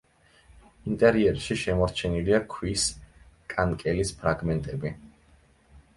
ინტერიერში შემორჩენილია ქვის კანკელის ფრაგმენტები.